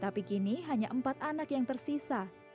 tapi kini hanya empat anak yang tersisa